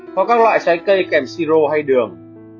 hoặc các loại trái cây kèm si rô hay đường